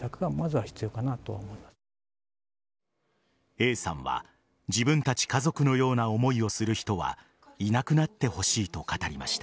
Ａさんは自分たち家族のような思いをする人はいなくなってほしいと語りました。